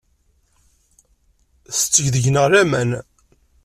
Tetteg deg-neɣ laman.